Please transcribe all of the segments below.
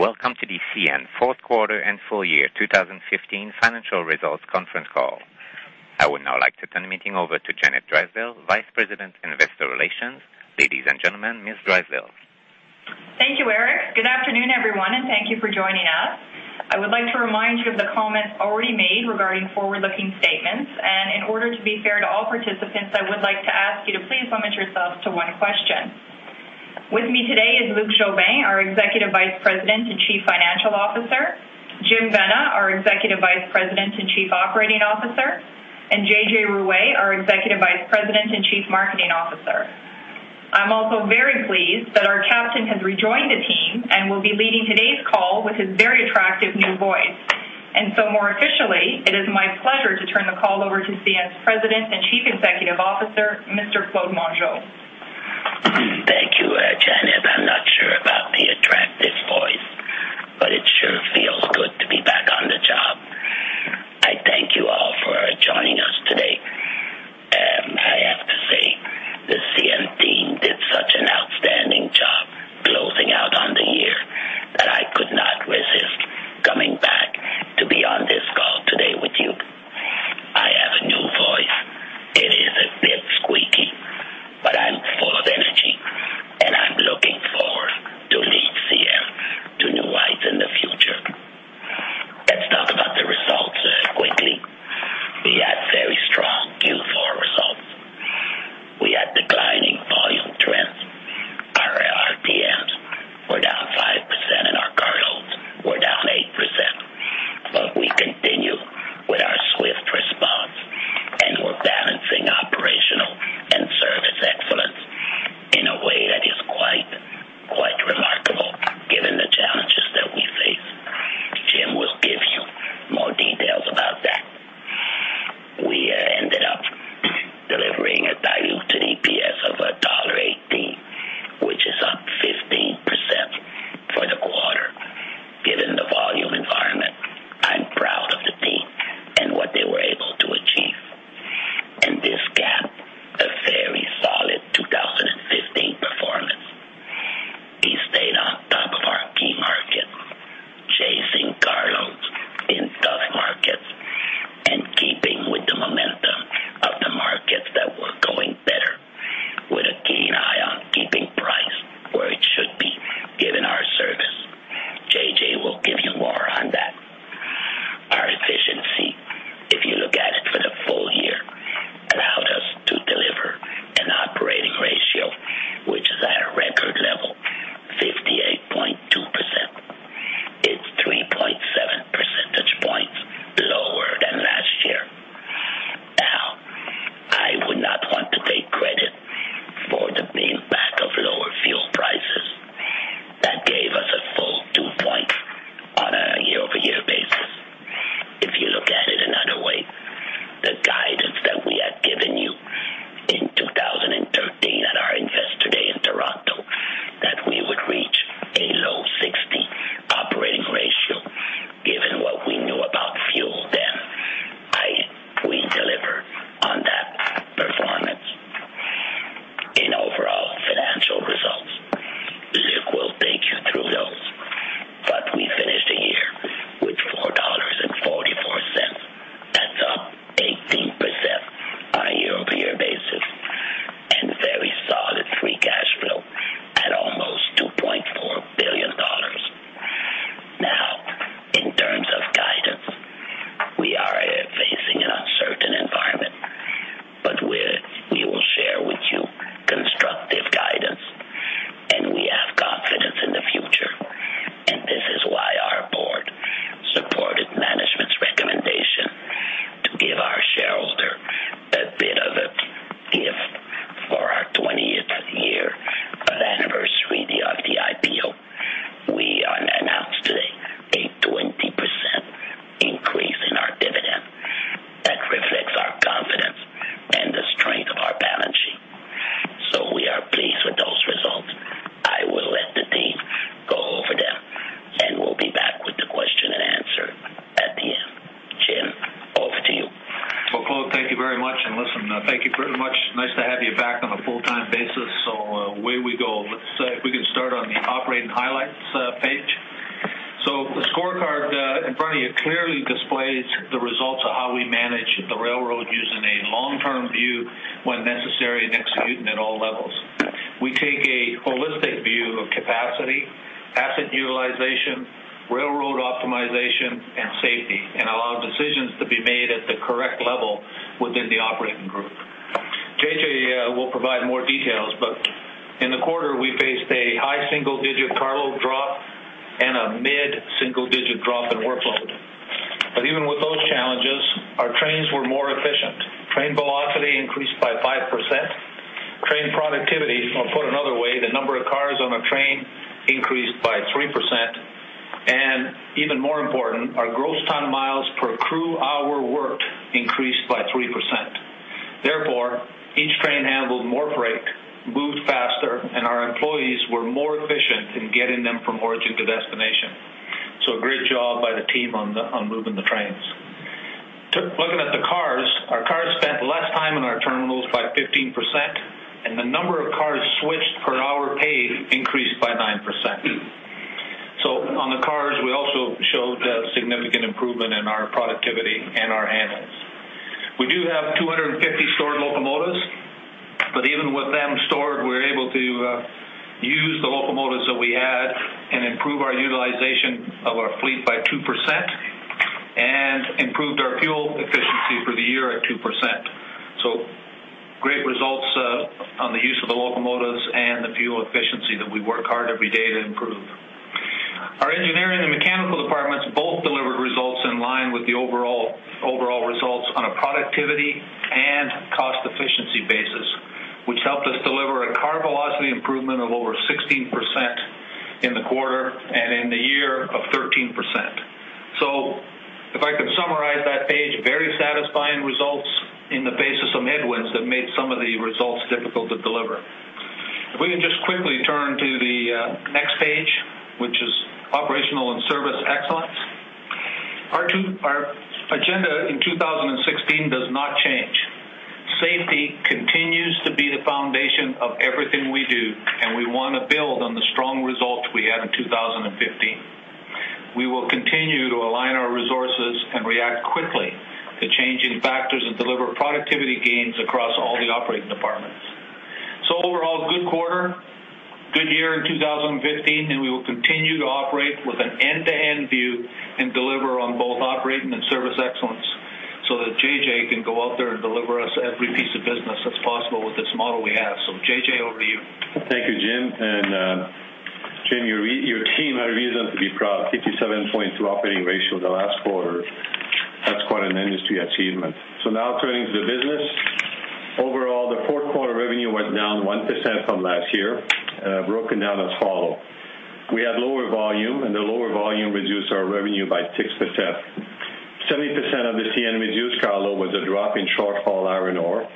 Welcome to the CN fourth quarter and full year 2015 financial results conference call. I would now like to turn the meeting over to Janet Drysdale, Vice President, Investor Relations. Ladies and gentlemen, Ms. Drysdale. Thank you, Eric. Good afternoon, everyone, and thank you for joining us. I would like to remind you of the comments already made regarding forward-looking statements, and in order to be fair to all participants, I would like to ask you to please limit yourselves to one question. With me today is Luc Jobin, our Executive Vice President and Chief Financial Officer, Jim Vena, our Executive Vice President and Chief Operating Officer, and JJ Ruest, our Executive Vice President and Chief Marketing Officer. I'm also very pleased that our captain has rejoined the team and will be leading today's call with his very attractive new voice. So more officially, it is my pleasure to turn the call over to CN's President and Chief Executive Officer, Mr. Claude Mongeau. Thank you, Janet. I'm not sure about the attractive voice, but it sure feels good to be back on the job. I thank you all for joining us today. I have to say, the CN team did such an outstanding job closing out on the year that I could not resist coming back to be on this call today with you. I have a new voice. It is a bit squeaky, but I'm full of energy, and I'm looking Train velocity increased by 5%, train productivity, or put another way, the number of cars on a train, increased by 3%, and even more important, our gross ton miles per crew hour worked increased by 3%. Therefore, each train handled more freight, moved faster, and our employees were more efficient in getting them from origin to destination. So great job by the team on moving the trains. Looking at the cars, 15%, and the number of cars switched per hour paid increased by 9%. So on the cars, we also showed a significant improvement in our productivity and our handles. We do have 250 stored locomotives, but even with them stored, we're able to use the locomotives that we had and improve our utilization of our fleet by 2% and improved our fuel efficiency for the year at 2%. So great results on the use of the locomotives and the fuel efficiency that we work hard every day to improve. Our engineering and mechanical departments both delivered results in line with the overall, overall results on a productivity and cost efficiency basis, which helped us deliver a car velocity improvement of over 16% in the quarter and in the year of 13%. So if I could summarize that page, very satisfying results in the face of some headwinds that made some of the results difficult to deliver. If we can just quickly turn to the next page, which is operational and service excellence. Our agenda in 2016 does not change. Safety continues to be the foundation of everything we do, and we want to build on the strong results we had in 2015. We will continue to align our resources and react quickly to changing factors and deliver productivity gains across all the operating departments. So overall, good quarter, good year in 2015, and we will continue to operate with an end-to-end view and deliver on both operating and service excellence so that JJ can go out there and deliver us every piece of business that's possible with this model we have. So, JJ, over to you. Thank you, Jim. And, Jim, your team had a reason to be proud. 57.2 operating ratio in the last quarter. That's quite an industry achievement. So now turning to the business. Overall, the fourth quarter revenue went down 1% from last year, broken down as follow. We had lower volume, and the lower volume reduced our revenue by 6%. 70% of the CN reduced carload was a drop in short-haul iron ore.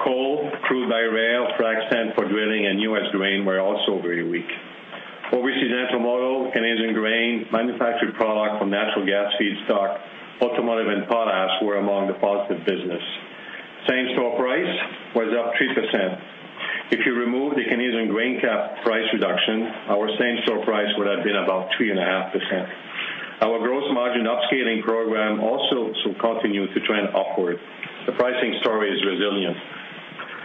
Coal, crude by rail, frac sand for drilling, and US grain were also very weak. Overseas intermodal, Canadian grain, manufactured product from natural gas feedstock, automotive, and potash were among the positive business. Same-store price was up 3%. If you remove the Canadian grain cap price reduction, our same-store price would have been about 3.5%. Our gross margin upscaling program also continued to trend upward. The pricing story is resilient.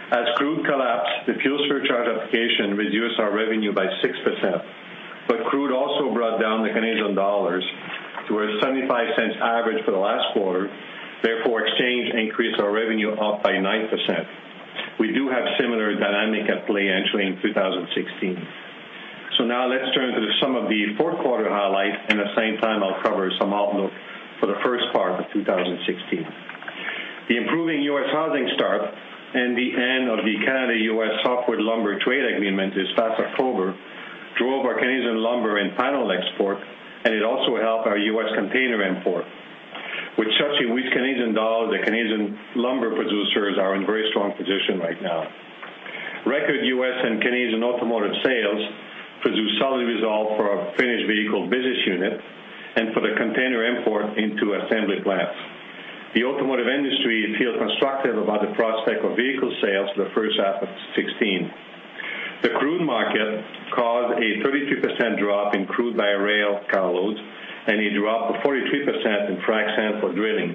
As crude collapsed, the fuel surcharge application reduced our revenue by 6%, but crude also brought down the Canadian dollar to a 0.75 average for the last quarter. Therefore, exchange increased our revenue by 9%. We do have similar dynamic at play actually in 2016. So now let's turn to some of the fourth quarter highlights, and at the same time, I'll cover some outlook for the first part of 2016. The improving U.S. housing starts and the end of the Canada-U.S. softwood lumber trade agreement this past October drove our Canadian lumber and panel exports, and it also helped our U.S. container imports. With such a weak Canadian dollar, the Canadian lumber producers are in very strong position right now. Record U.S. and Canadian automotive sales produce solid results for our finished vehicle business unit and for the container import into assembly plants. The automotive industry feels constructive about the prospect of vehicle sales for the first half of 2016. The crude market caused a 32% drop in crude by rail carloads and a drop of 43% in frac sand for drilling,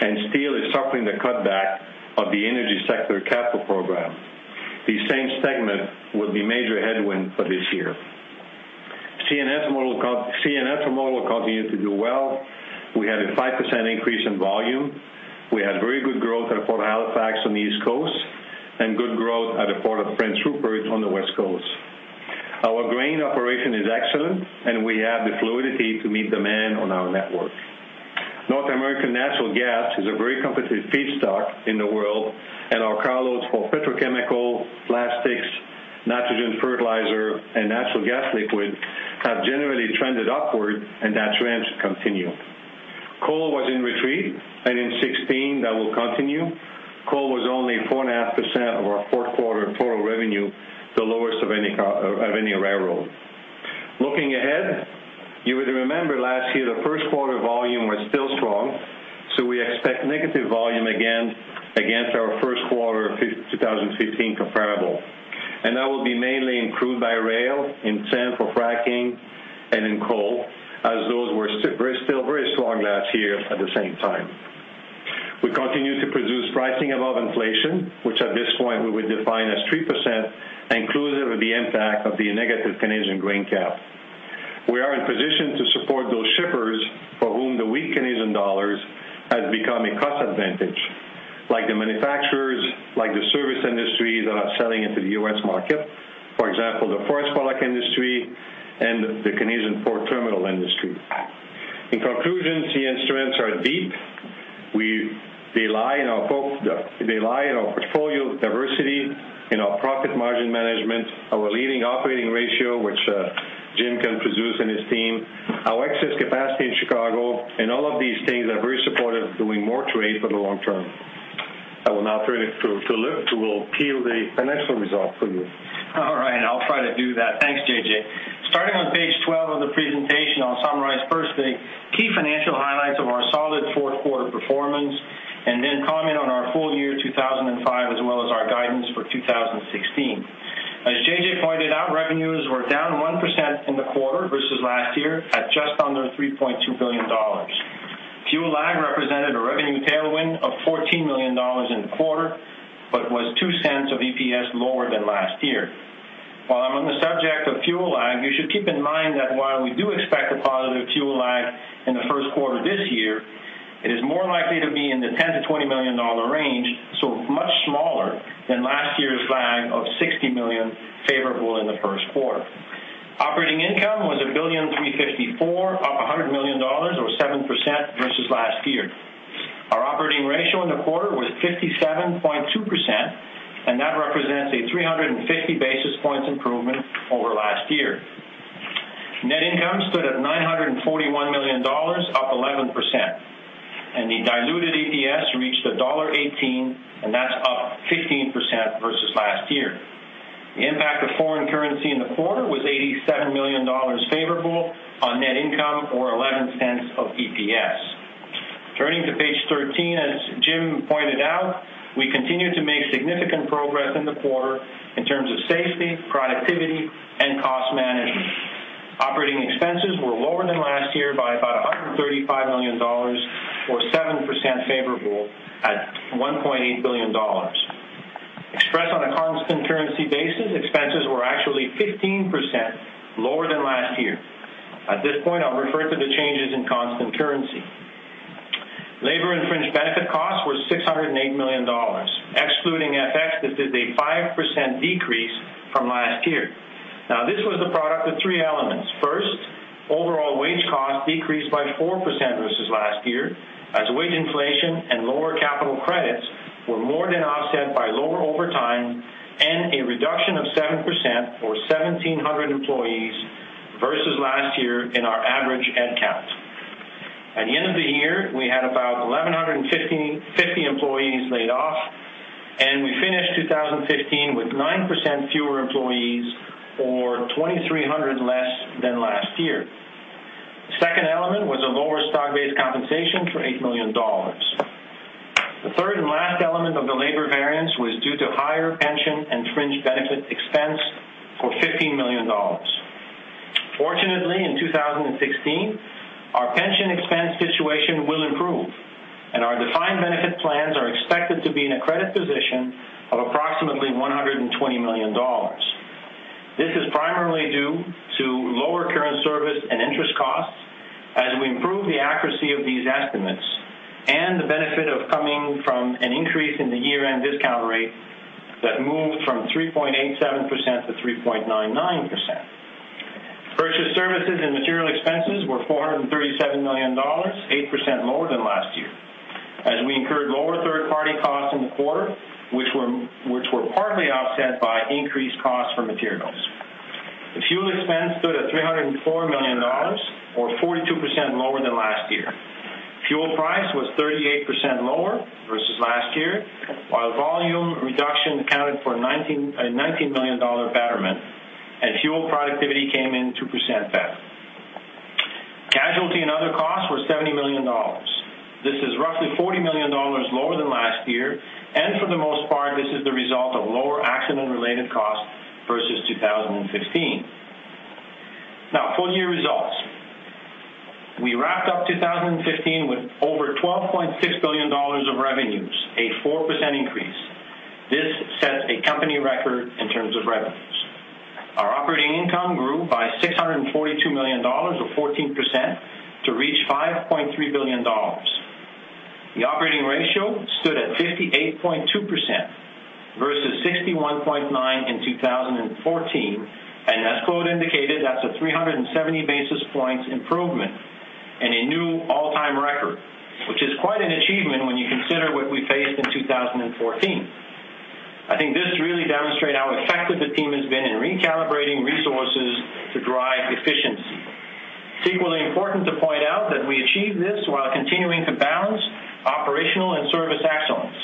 and steel is suffering the cutback of the energy sector capital program. These same segments will be major headwind for this year. Intermodal continued to do well. We had a 5% increase in volume. We had very good growth at Port of Halifax on the East Coast and good growth at the Port of Prince Rupert on the West Coast. Our grain operation is excellent, and we have the fluidity to meet demand on our network. North American natural gas is a very competitive feedstock in the world, and our carloads for petrochemical, plastics, nitrogen, fertilizer, and natural gas liquid have generally trended upward, and that trend should continue. Coal was in retreat, and in 2016, that will continue. Coal was only 4.5% of our fourth quarter total revenue, the lowest of any railroad. Looking ahead, you would remember last year, the first quarter volume was still strong, so we expect negative volume again against our first quarter 2015 comparable. And that will be mainly in crude by rail, in sand for fracking, and in coal, as those were still very strong last year at the same time. We continue to produce pricing above inflation, which at this point we would define as 3%, inclusive of the impact of the negative Canadian grain cap. We are in position to support those shippers for whom the weak Canadian dollar has become a cost advantage, like the manufacturers, like the service industries that are selling into the U.S. market. For example, the forest product industry and the Canadian port terminal industry. In conclusion, CN strengths are deep. They lie in our portfolio diversity, in our profit margin management, our leading operating ratio, which Jim can produce and his team, our excess capacity in Chicago, and all of these things are very supportive of doing more trade for the long term. I will now turn it to Luc, who will detail the financial results for you. All right, I'll try to do that. Thanks, JJ. Starting on page 12 of the presentation, I'll summarize first the key financial highlights of our solid fourth quarter performance and then comment on our full year 2005 for 2016. As JJ pointed out, revenues were down 1% in the quarter versus last year, at just under $3.2 billion. Fuel lag represented a revenue tailwind of $14 million in the quarter, but was $0.02 of EPS lower than last year. While I'm on the subject of fuel lag, you should keep in mind that while we do expect a positive fuel lag in the first quarter this year, it is more likely to be in the $10 million-$20 million range, so much smaller than last year's lag of $60 million favorable in the first quarter. Operating income was $1.354 billion, up $100 million or 7% versus last year. Our operating ratio in the quarter was 57.2%, and that represents a 350 basis points improvement over last year. Net income stood at $941 million, up 11%, and the diluted EPS reached $1.18, and that's up 15% versus last year. The impact of foreign currency in the quarter was $87 million favorable on net income or $0.11 of EPS. Turning to page 13, as Jim pointed out, we continued to make significant progress in the quarter in terms of safety, productivity, and cost management. Operating expenses were lower than last year by about $135 million or 7% favorable at $1.8 billion. Expressed on a constant currency basis, expenses were actually 15% lower than last year. At this point, I'll refer to the changes in constant currency. Labor and fringe benefit costs were $608 million. Excluding FX, this is a 5% decrease from last year. Now, this was a product of three elements. First, overall wage costs decreased by 4% versus last year, as wage inflation and lower capital credits were more than offset by lower overtime and a reduction of 7% or 1,700 employees versus last year in our average head count. At the end of the year, we had about 11,150 employees laid off, and we finished 2015 with 9% fewer employees or 2,300 less than last year. Second element was a lower stock-based compensation for $8 million. The third and last element of the labor variance was due to higher pension and fringe benefit expense for $15 million. Fortunately, in 2016, our pension expense situation will improve, and our defined benefit plans are expected to be in a credit position of approximately $120 million. This is primarily due to lower current service and interest costs as we improve the accuracy of these estimates and the benefit of coming from an increase in the year-end discount rate that moved from 3.87% to 3.99%. Purchase services and material expenses were $437 million, 8% lower than last year. As we incurred lower third-party costs in the quarter, which were partly offset by increased costs for materials. The fuel expense stood at 304 million dollars, or 42% lower than last year. Fuel price was 38% lower versus last year, while volume reduction accounted for 19, a 19 million-dollar betterment, and fuel productivity came in 2% better. Casualty and other costs were 70 million dollars. This is roughly 40 million dollars lower than last year, and for the most part, this is the result of lower accident-related costs versus 2015. Now, full year results. We wrapped up 2015 with over CAD 12.6 billion of revenues, a 4% increase. This set a company record in terms of revenues. Our operating income grew by 642 million dollars or 14% to reach 5.3 billion dollars. The operating ratio stood at 58.2% versus 61.9 in 2014, and as Claude indicated, that's a 370 basis points improvement and a new all-time record, which is quite an achievement when you consider what we faced in 2014. I think this really demonstrate how effective the team has been in recalibrating resources to drive efficiency. It's equally important to point out that we achieved this while continuing to balance operational and service excellence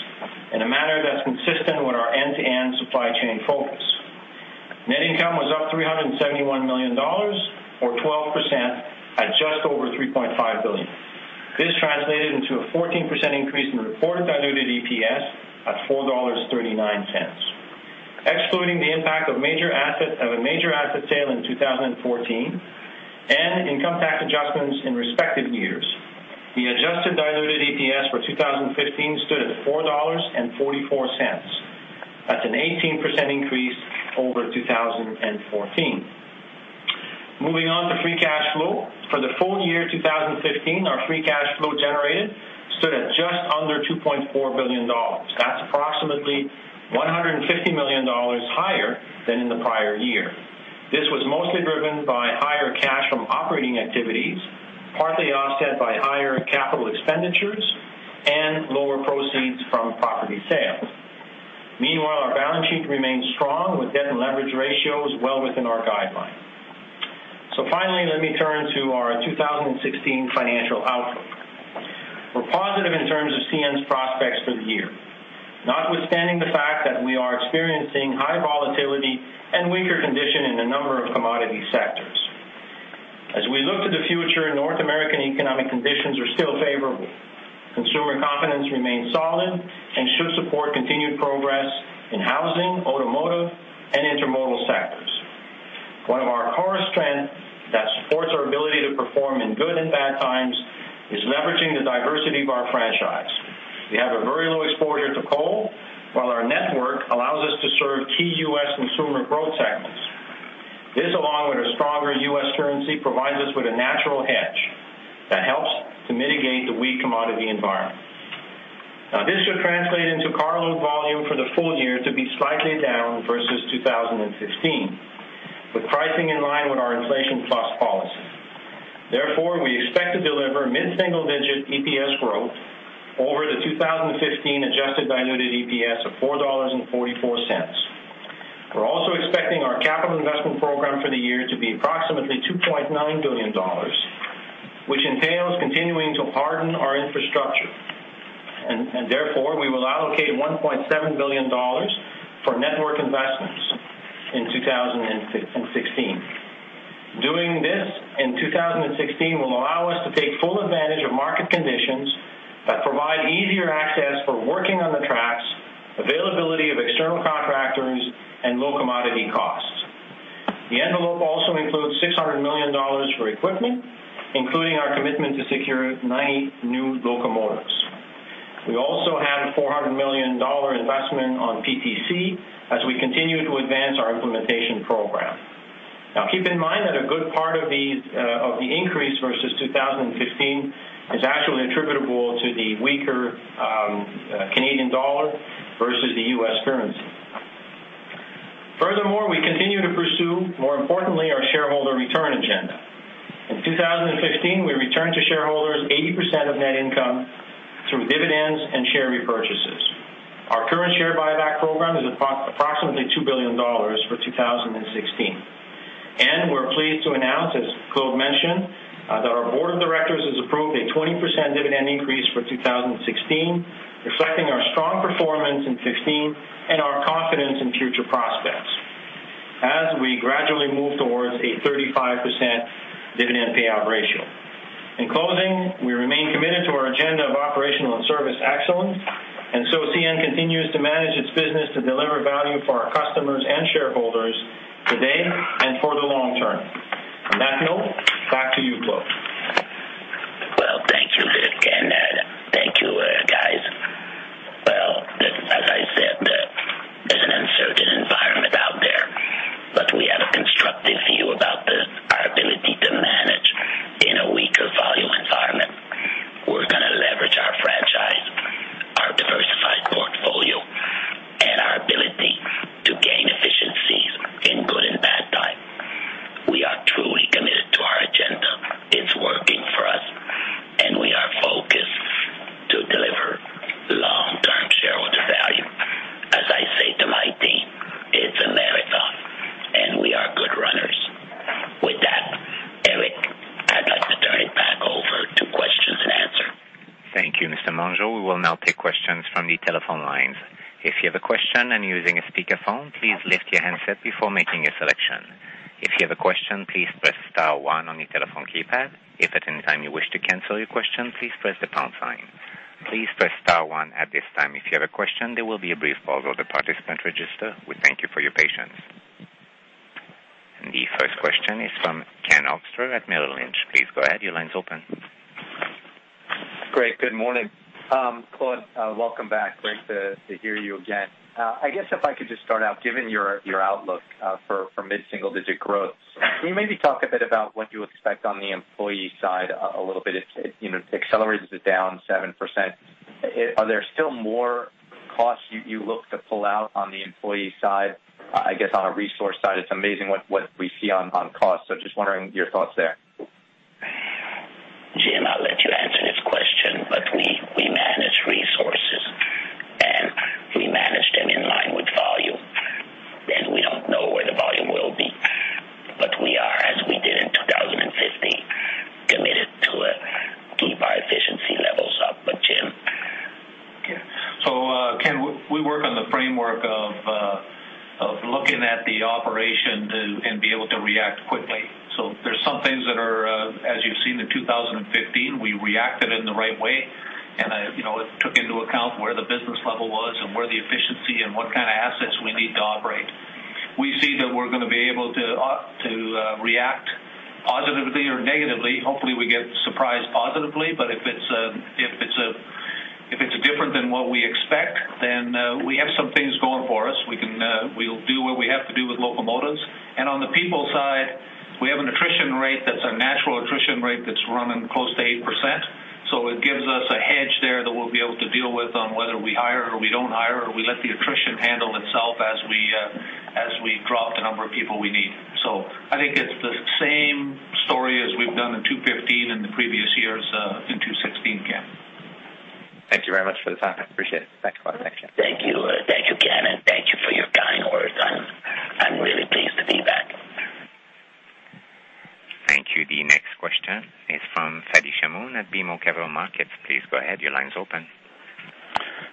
in a manner that's consistent with our end-to-end supply chain focus. Net income was up $371 million or 12% at just over $3.5 billion. This translated into a 14% increase in the reported diluted EPS at $4.39. Excluding the impact of a major asset sale in 2014 and income tax adjustments in respective years, the adjusted diluted EPS for 2015 stood at $4.44. That's an 18% increase over 2014. Moving on to free cash flow. For the full year 2015, our free cash flow generated stood at just under $2.4 billion. That's approximately $150 million higher than in the prior year. This was mostly driven by higher cash from operating activities, partly offset by higher capital expenditures and lower proceeds from property sales. Meanwhile, our balance sheet remains strong, with debt and leverage ratios well within our guidelines. Finally, let me turn to our 2016 financial outlook. We're positive in terms of CN's prospects for the year, notwithstanding the fact that we are experiencing high volatility and weaker condition in a number of commodity sectors. As we look to the future, North American economic conditions are still favorable. Consumer confidence remains solid and should support continued progress in housing, automotive, and intermodal sectors. One of our core strengths that supports our ability to perform in good and bad times is leveraging the diversity of our franchise. We have a very low exposure to coal, while our network allows us to serve key U.S. consumer growth segments. This, along with a stronger U.S. currency, provides us with a natural hedge that helps to mitigate the weak commodity environment. Now, this should translate into carload volume for the full year to be slightly down versus 2015, with pricing in line with our inflation plus policy. Therefore, we expect to deliver mid-single-digit EPS growth over the 2015 adjusted diluted EPS of $4.44. We're also expecting our capital investment program for the year to be approximately $2.9 billion, which entails continuing to harden our infrastructure, and therefore, we will allocate $1.7 billion for network investments in 2016. Doing this in 2016 will allow us to take full advantage of market conditions that provide easier access for working on the tracks, availability of external contractors, and low commodity costs. The envelope also includes $600 million for equipment, including our commitment to secure 90 new locomotives. We also have $400 million dollar investment on PTC as we continue to advance our implementation program. Now, keep in mind that a good part of these of the increase versus 2015 is actually attributable to the weaker Canadian dollar versus the U.S. currency. Furthermore, we continue to pursue, more importantly, our shareholder return agenda. In 2015, we returned to shareholders 80% of net income through dividends and share repurchases. Our current share buyback program is approximately 2 billion dollars for 2016, and we're pleased to announce, as Claude mentioned, that our board of directors has approved a 20% dividend increase for 2016, reflecting our strong performance in 2015 and our confidence in future prospects, as we gradually move towards a 35% dividend payout ratio. In closing, we remain committed to our agenda of operational and service excellence, and so CN continues to manage its business to deliver value for our customers and shareholders today and for the long term. On that note, back to you, Claude. Well, thank you, Luc, and thank you, guys. Well, as I said, it's an uncertain environment out there, but we have a constructive view about our ability to manage in a weaker volume environment. We're gonna leverage our franchise, our diversified portfolio, and our ability to gain efficiencies in good and bad times. We are truly committed to our agenda. It's working for us, and we are focused to deliver long-term shareholder value. As I say to my team, it's a marathon, and we are good runners. With that, Eric, I'd like to turn it back over to questions and answer. Thank you, Mr. Mongeau. We will now take questions from the telephone lines. If you have a question and you're using a speakerphone, please lift your handset before making a selection. If you have a question, please press star one on your telephone keypad. If at any time you wish to cancel your question, please press the pound sign. Please press star one at this time if you have a question. There will be a brief pause while the participants register. We thank you for your patience. The first question is from Ken Hoexter at Bank of America Merrill Lynch. Please go ahead. Your line's open. Great. Good morning. Claude, welcome back. Great to hear you again. I guess if I could just start out, given your outlook for mid-single-digit growth, can you maybe talk a bit about what you expect on the employee side a little bit? It, you know, accelerates it down 7%. Are there still more costs you look to pull out on the employee side? I guess on a resource side, it's amazing what we see on cost. So just wondering your thoughts there. Jim, I'll let you answer this question, but we manage resources, and we manage them in line with volume, and we don't know where the volume will be, but we are, as we did in 2015, committed to keep our efficiency levels up. But, Jim? Okay. So, Ken, we work on the framework of looking at the operation to and be able to react quickly. So there's some things that are, as you've seen in 2015, we reacted in the right way, and, you know, it took into account where the business level was and where the efficiency and what kind of assets we need to operate. We see that we're gonna be able to react positively or negatively. Hopefully, we get surprised positively, but if it's different than what we expect, then we have some things going for us. We can, we'll do what we have to do with locomotives. And on the people side, we have an attrition rate that's a natural attrition rate that's running close to 8%. So it gives us a hedge there that we'll be able to deal with on whether we hire or we don't hire, or we let the attrition handle itself as we, as we drop the number of people we need. So I think it's the same story as we've done in 2015 and the previous years, in 2016, Ken. Thank you very much for the time. I appreciate it. Thanks a lot. Thank you. Thank you, Ken, and thank you for your kind words. I'm, I'm really pleased to be back. Thank you. The next question is from Fadi Chamoun at BMO Capital Markets. Please go ahead. Your line's open.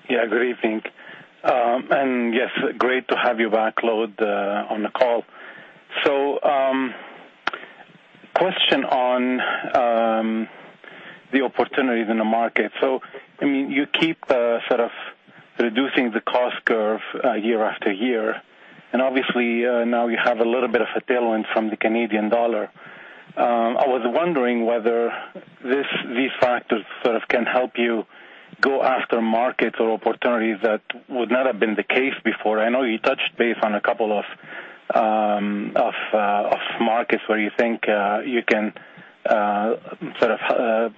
Yeah, good evening. And yes, great to have you back, Claude, on the call. So, question on the opportunities in the market. So, I mean, you keep sort of reducing the cost curve year after year, and obviously now you have a little bit of a tailwind from the Canadian dollar. I was wondering whether these factors sort of can help you go after markets or opportunities that would not have been the case before. I know you touched base on a couple of markets where you think you can sort of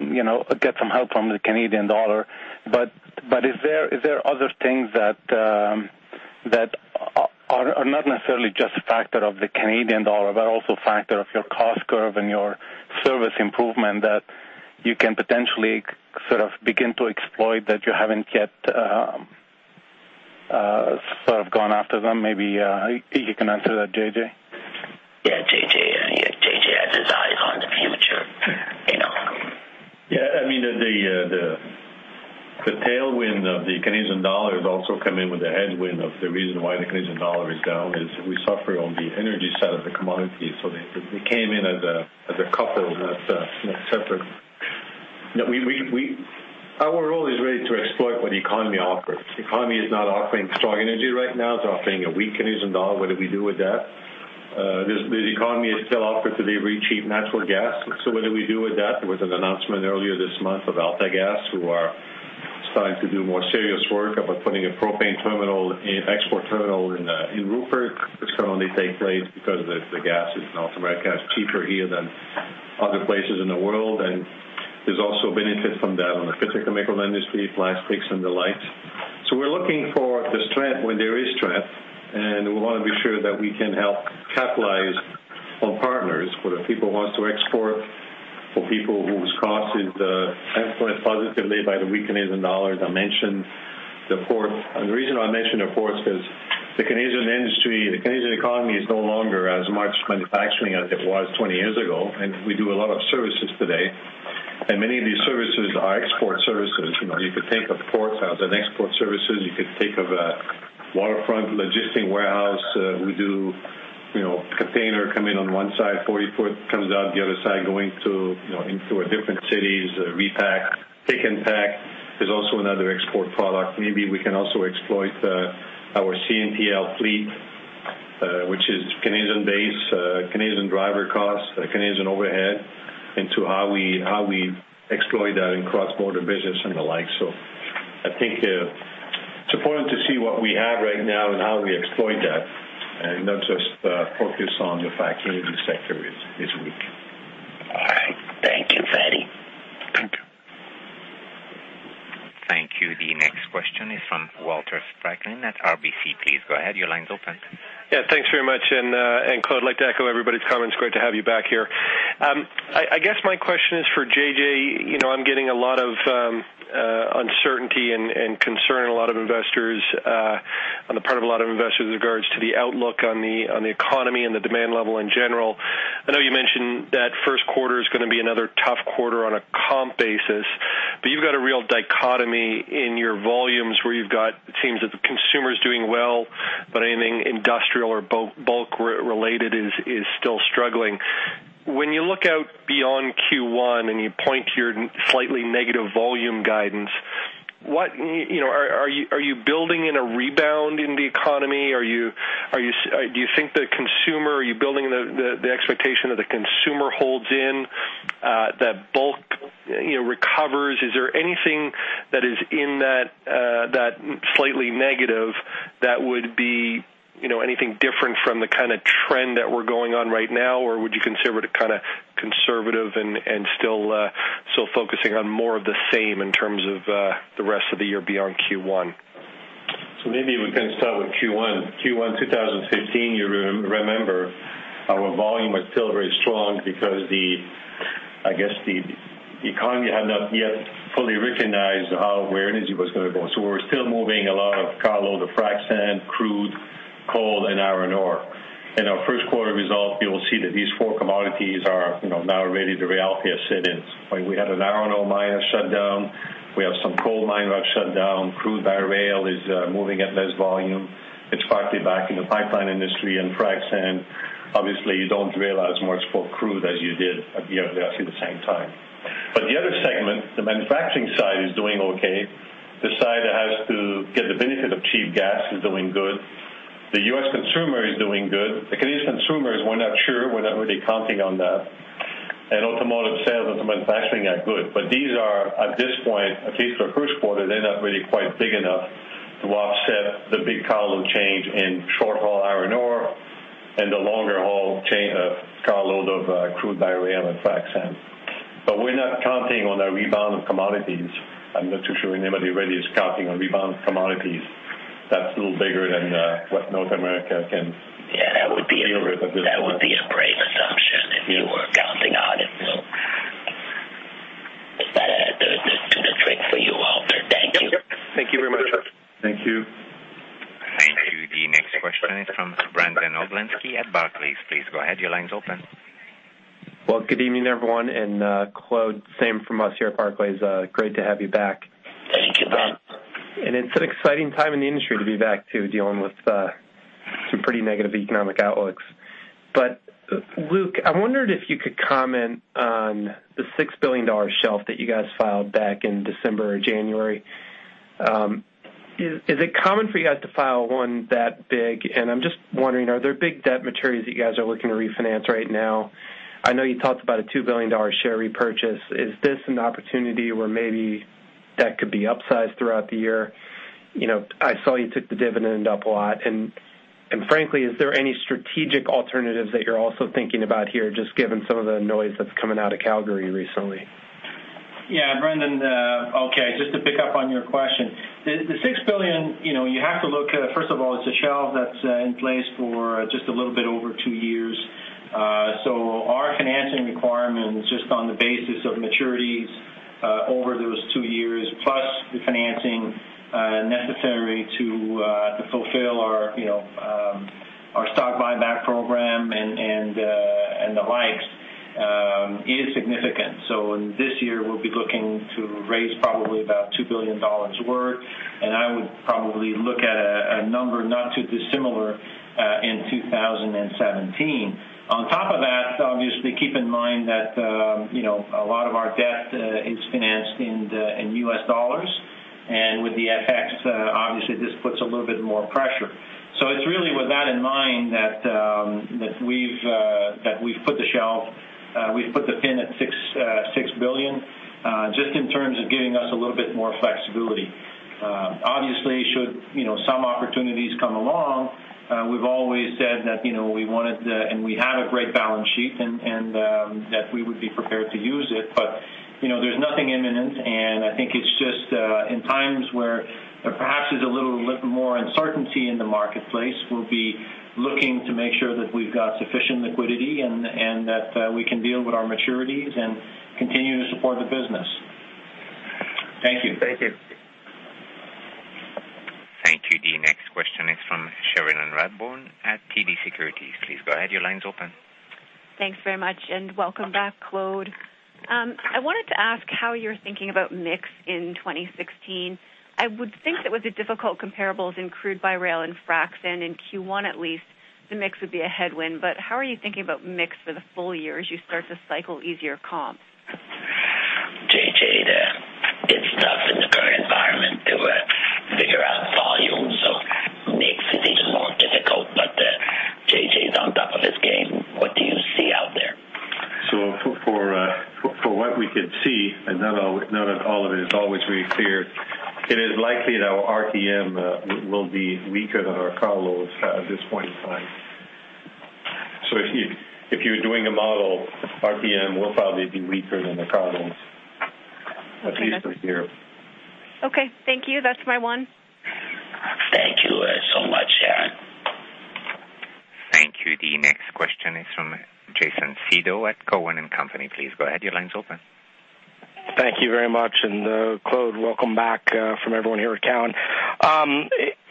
you know get some help from the Canadian dollar. But is there other things that are not necessarily just a factor of the Canadian dollar, but also a factor of your cost curve and your service improvement, that you can potentially sort of begin to exploit, that you haven't yet sort of gone after them? Maybe you can answer that, JJ. Yeah, JJ, yeah, JJ has his eyes on the future, you know? Yeah, I mean, the tailwind of the Canadian dollar has also come in with a headwind of the reason why the Canadian dollar is down, is we suffer on the energy side of the commodity. So they came in as a couple, not separate. We, our role is really to exploit what the economy offers. The economy is not offering strong energy right now. It's offering a weak Canadian dollar. What do we do with that? The economy is still offered today, very cheap natural gas. So what do we do with that? There was an announcement earlier this month of AltaGas, who are starting to do more serious work about putting a propane export terminal in Prince Rupert. This can only take place because the gas is North American gas, cheaper here than other places in the world, and there's also benefit from that on the chemical industry, plastics and the like. So we're looking for the strength where there is strength, and we want to be sure that we can help capitalize on partners, whether people wants to export, for people whose cost is influenced positively by the weak Canadian dollar. I mentioned the port, and the reason why I mentioned the port is because the Canadian industry, the Canadian economy is no longer as much manufacturing as it was 20 years ago, and we do a lot of services today, and many of these services are export services. You know, you could take a port as an export services. You could take a waterfront logistics warehouse. We do, you know, container come in on one side, 40-foot, comes out the other side, going to, you know, into a different cities. Repack, pick and pack is also another export product. Maybe we can also exploit our CNTL fleet, which is Canadian-based, Canadian driver costs, Canadian overhead, into how we, how we exploit that in cross-border business and the like. So I think it's important to see what we have right now and how we exploit that, and not just focus on the fact that the sector is, is weak. All right. Thank you, Fadi. Thank you. Thank you. The next question is from Walter Spracklin at RBC. Please go ahead. Your line's open. Yeah, thanks very much. And Claude, I'd like to echo everybody's comments. Great to have you back here. I guess my question is for JJ. You know, I'm getting a lot of uncertainty and concern, a lot of investors on the part of a lot of investors with regards to the outlook on the economy and the demand level in general. I know you mentioned that first quarter is going to be another tough quarter on a comp basis, but you've got a real dichotomy in your volumes, where you've got, it seems that the consumer is doing well, but anything industrial or bulk related is still struggling. When you look out beyond Q1 and you point to your slightly negative volume guidance, what, you know, are you building in a rebound in the economy? Are you, do you think the consumer, are you building the expectation that the consumer holds in that bulk, you know, recovers? Is there anything that is in that slightly negative that would be, you know, anything different from the kind of trend that we're going on right now? Or would you consider it kind of conservative and still focusing on more of the same in terms of the rest of the year beyond Q1? So maybe we can start with Q1. Q1, 2015, you remember, our volume was still very strong because, I guess, the economy had not yet fully recognized how, where energy was going to go. So we're still moving a lot of carloads of frac sand, crude, coal and iron ore. In our first quarter results, you will see that these four commodities are, you know, now, reality has set in. We had an iron ore miner shut down. We have some coal miners shut down. Crude by rail is moving at less volume. It's partly back in the pipeline, and frac sand. Obviously, you don't rail as much for crude as you did at exactly the same time. But the other segment, the manufacturing side, is doing okay. The side that has to get the benefit of cheap gas is doing good. The U.S. consumer is doing good. The Canadian consumers, we're not sure. We're not really counting on that. Automotive sales and manufacturing are good. These are, at this point, at least for the first quarter, they're not really quite big enough to offset the big carload change in short-haul iron ore and the longer-haul carload of crude by rail and frac sand. We're not counting on a rebound of commodities. I'm not too sure anybody really is counting on a rebound of commodities. That's a little bigger than what North America can- Yeah, that would be- deal with at this point. That would be a brave assumption if you were counting on it. So does that do the trick for you, Walter? Thank you. Thank you very much. Thank you. The next question is from Brandon Oglenski at Barclays. Please go ahead. Your line's open. Well, good evening, everyone, and Claude, same from us here at Barclays. Great to have you back. Thank you, Brandon. It's an exciting time in the industry to be back to dealing with some pretty negative economic outlooks. Luke, I wondered if you could comment on the $6 billion shelf that you guys filed back in December or January. Is it common for you guys to file one that big? And I'm just wondering, are there big debt maturities that you guys are looking to refinance right now? I know you talked about a $2 billion share repurchase. Is this an opportunity where maybe that could be upsized throughout the year? You know, I saw you took the dividend up a lot. And frankly, is there any strategic alternatives that you're also thinking about here, just given some of the noise that's coming out of Calgary recently? Yeah, Brandon, okay, just to pick up on your question. The $6 billion, you know, you have to look first of all, it's a shelf that's in place for just a little bit over two years. So our financing requirements, just on the basis of maturities, over those two years, plus the financing necessary to fulfill our, you know, our stock buyback program and the likes, is significant. So in this year, we'll be looking to raise probably about $2 billion worth, and I would probably look at a number not too dissimilar in 2017. On top of that, obviously, keep in mind that, you know, a lot of our debt is financed in the U.S. dollars. With the FX, obviously, this puts a little bit more pressure. So it's really with that in mind that we've put the shelf cap at $6 billion, just in terms of giving us a little bit more flexibility. Obviously, should, you know, some opportunities come along, we've always said that, you know, we wanted and we have a great balance sheet and that we would be prepared to use it. But, you know, there's nothing imminent, and I think it's just in times where there perhaps is a little more uncertainty in the marketplace, we'll be looking to make sure that we've got sufficient liquidity and that we can deal with our maturities and continue to support the business. Thank you. Thank you. Thank you. The next question is from Cherilyn Radbourne at TD Securities. Please go ahead. Your line's open. Thanks very much, and welcome back, Claude. I wanted to ask how you're thinking about mix in 2016. I would think that with the difficult comparables in crude by rail and fracs, and in Q1 at least, the mix would be a headwind. But how are you thinking about mix for the full year as you start to cycle easier comp? JJ, it's tough in the current environment to figure out volumes, so mix is even more difficult. But, JJ's on top of his game. What do you see out there? So for what we can see, and not all, not at all of it is always very clear, it is likely that our RPM will be weaker than our carloads at this point in time. So if you're doing a model, RPM will probably be weaker than the carloads, at least this year. Okay. Thank you. That's my one. Thank you, so much, Cherilyn. Thank you. The next question is from Jason Seidl at Cowen and Company. Please go ahead. Your line's open. Thank you very much. And, Claude, welcome back from everyone here at Cowen.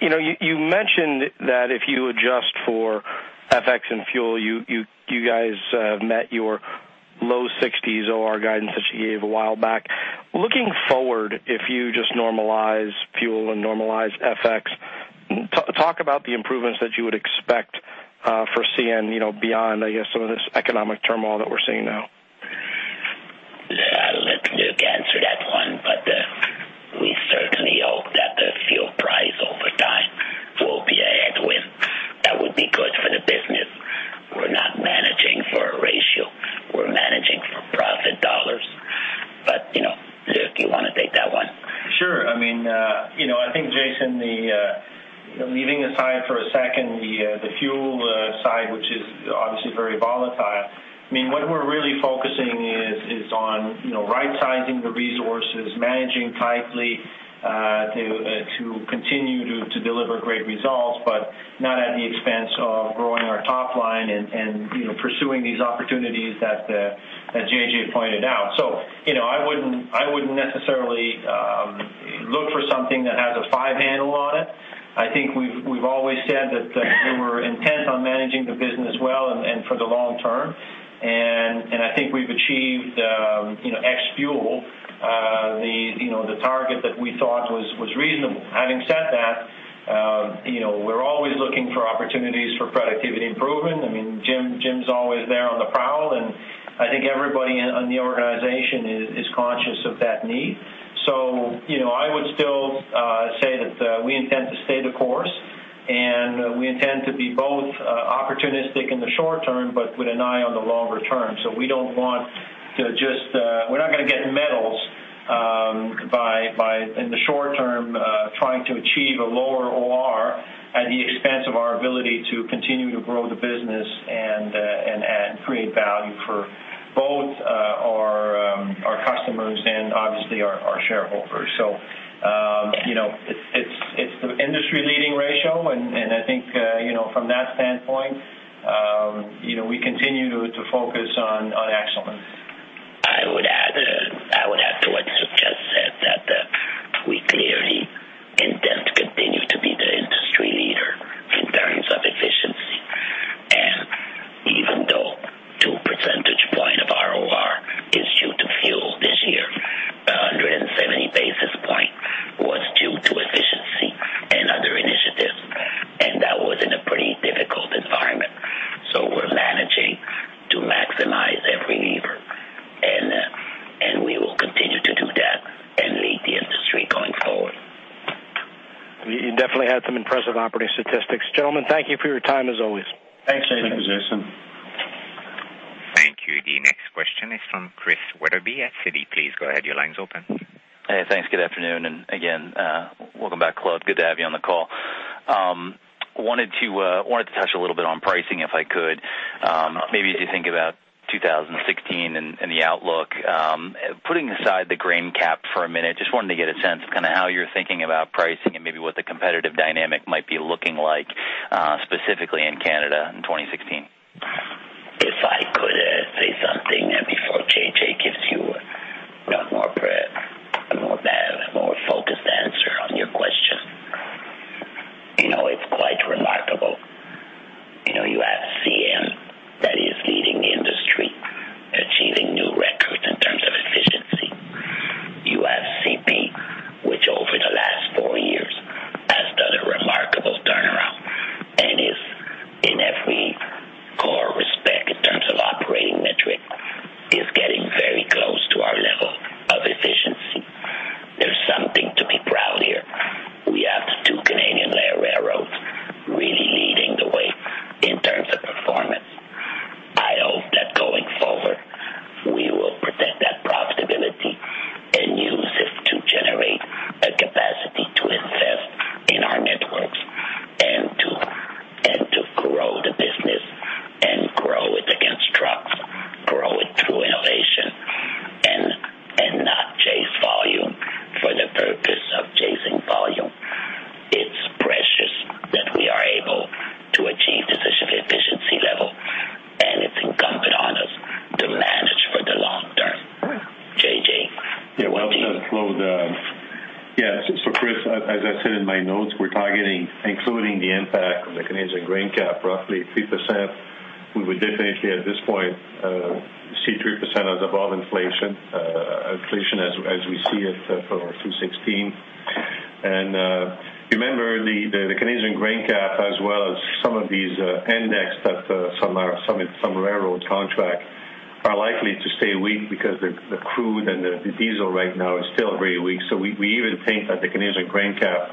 You know, you mentioned that if you adjust for FX and fuel, you guys met your low sixties OR guidance that you gave a while back. Looking forward, if you just normalize fuel and normalize FX, talk about the improvements that you would expect for CN, you know, beyond, I guess, some of this economic turmoil that we're seeing now. I'll let Luke answer that one, but we certainly hope that the fuel price over time will be a headwind. That would be good for the business. We're not managing for a ratio. We're managing for profit dollars. But, you know, Luke, you want to take that one? Sure. I mean, you know, I think, Jason, the, leaving aside for a second, the, the fuel, side, which is obviously very volatile. I mean, what we're really focusing is on, you know, right-sizing the resources, managing tightly, to, to continue to, to deliver great results, but not at the expense of growing our top line and, and, you know, pursuing these opportunities that, that JJ pointed out. So, you know, I wouldn't, I wouldn't necessarily, look for something that has a five handle on it. I think we've, we've always said that, we were intent on managing the business well and, and for the long term. And, and I think we've achieved, you know, ex-fuel, the, you know, the target that we thought was, was reasonable. Having said that, you know, we're always looking for opportunities for productivity improvement. I mean, Jim, Jim's always there on the prowl, and I think everybody in the organization is conscious of that need. So, you know, I would still say that we intend to stay the course, and we intend to be both opportunistic in the short term, but with an eye on the longer term. So we don't want to just, we're not gonna get medals by in the short term trying to achieve a lower OR at the expense of our ability to continue to grow the business and create value for both our customers and obviously our shareholders. You know, it's the industry-leading ratio, and I think, you know, from that standpoint, you know, we continue to focus on excellence. We clearly intend to continue to be the industry leader in terms of efficiency. Even though 2 percentage points of our ROR is due to fuel this year, 170 basis points was due to efficiency and other initiatives, and that was in a pretty difficult environment. So we're managing to maximize every lever, and, and we will continue to do that and lead the industry going forward. You definitely had some impressive operating statistics. Gentlemen, thank you for your time, as always. Thanks, Jason. Thanks, Jason. Thank you. The next question is from Chris Wetherbee at Citi. Please go ahead. Your line is open. Hey, thanks. Good afternoon, and again, welcome back, Claude. Good to have you on the call. Wanted to touch a little bit on pricing, if I could. Maybe as you think about 2016 and the outlook, putting aside the grain cap for a minute, just wanted to get a sense of kinda how you're thinking about pricing and maybe what the competitive dynamic might be looking like, specifically in Canada in 2016. If I could say something before JJ gives you a more focused answer on your question. You know, it's quite remarkable. You know, you have the impact of the Canadian grain cap, roughly 3%. We would definitely, at this point, see 3% as above inflation, inflation as we see it for 2016. And remember, the Canadian grain cap as well as some of these indexes that some railroad contracts are likely to stay weak because the crude and the diesel right now is still very weak. So we even think that the Canadian grain cap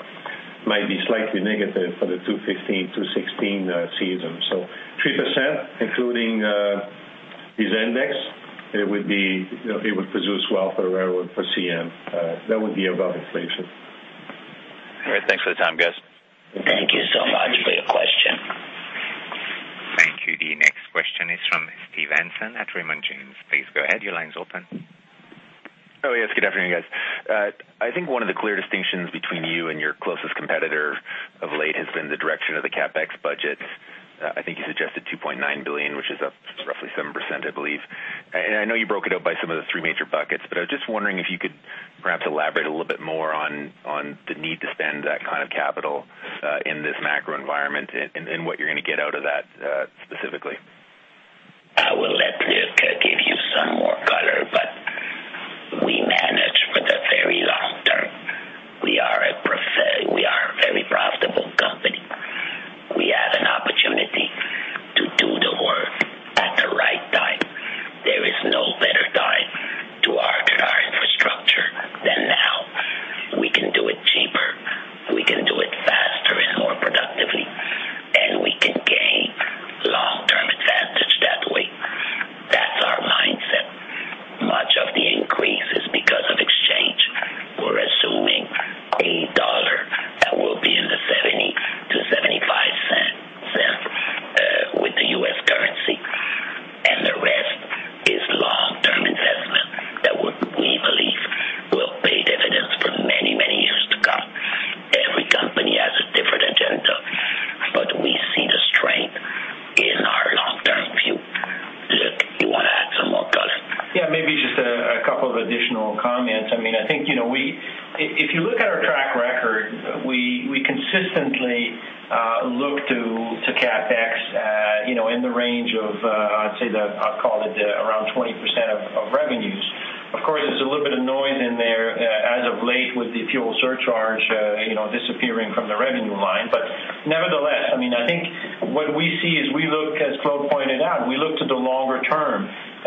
might be slightly negative for the 2015, 2016 season. So 3%, including these indexes, it would be, it would presage well for the railroad, for CN. That would be above inflation. All right. Thanks for the time, guys. Thank you so much for your question. Thank you. The next question is from Steve Hansen at Raymond James. Please go ahead. Your line's open. Oh, yes, good afternoon, guys. I think one of the clear distinctions between you and your closest competitor of late has been the direction of the CapEx budgets. I think you suggested 2.9 billion, which is up roughly 7%, I believe. And I know you broke it out by some of the three major buckets, but I was just wondering if you could perhaps elaborate a little bit more on, on the need to spend that kind of capital, in this macro environment and, and what you're gonna get out of that, specifically. I will let Nick give you some more color, but we manage for the very long term. We are a very profitable company. We have an opportunity to do the work at the right time. There is no better time to upgrade our infrastructure than now. We can do it cheaper, we can do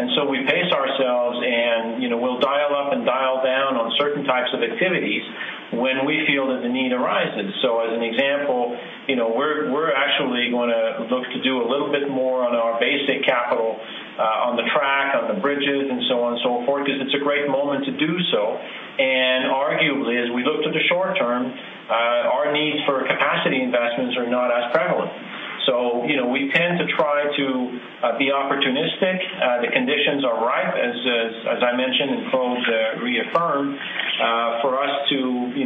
and so we pace ourselves and, you know, we'll dial up and dial down on certain types of activities when we feel that the need arises. So as an example, you know, we're actually gonna look to do a little bit more on our basic capital on the track, on the bridges, and so on and so forth, because it's a great moment to do so. And arguably, as we look to the short term, our needs for capacity investments are not as prevalent. So, you know, we tend to try to be opportunistic. The conditions are ripe, as I mentioned, and Claude reaffirmed, for us, you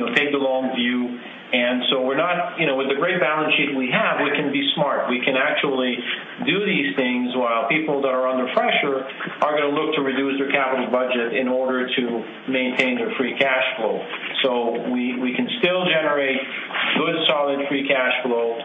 know, with the great balance sheet we have, we can be smart. We can actually do these things while people that are under pressure are going to look to reduce their capital budget in order to maintain their free cash flow. So we can still generate good, solid free cash flow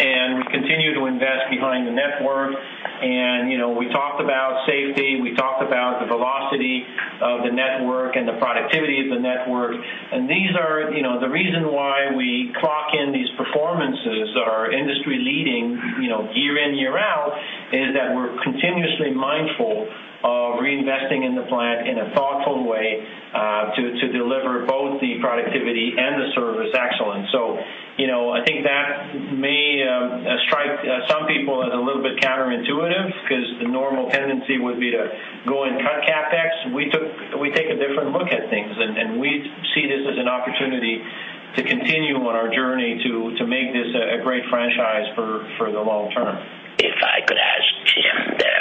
and continue to invest behind the network. And, you know, we talked about safety, we talked about the velocity of the network and the productivity of the network. And these are, you know, the reason why we clock in these performances are industry leading, you know, year in, year out, is that we're continuously mindful of reinvesting in the plant in a thoughtful way to deliver both the productivity and the service excellence. So, you know, I think that may strike some people as a little bit counterintuitive, because the normal tendency would be to go and cut CapEx. We take a different look at things, and we see this as an opportunity to continue on our journey to make this a great franchise for the long term. If I could ask Jim there,